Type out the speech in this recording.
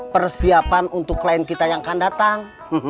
persiapan untuk klien kita yang akan datang